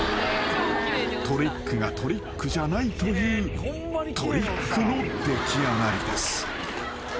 ［トリックがトリックじゃないというトリックの出来上がりです］